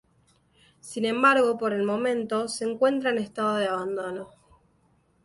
Sin embargo, por el momento, se encuentra en estado de abandono.